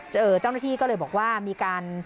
เจ้าหน้าที่ก็เลยบอกว่ามีการ